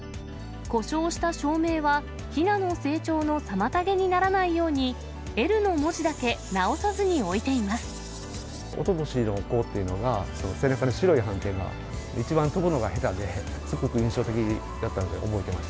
故障した照明は、ひなの成長の妨げにならないように、Ｌの文字だけ直さずにおいておととしの子っていうのが、背中に白い斑点があって、一番飛ぶのが下手で、すごく印象的だったんで覚えてます。